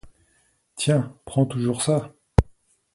Tiens, prends toujours ça.